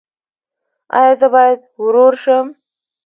ایا زه باید ورور شم؟